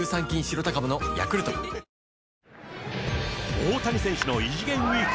大谷選手の異次元ウイーク。